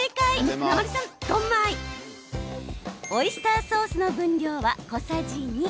オイスターソースの分量は小さじ２。